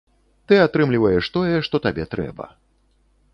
Ты атрымліваеш тое, што табе трэба.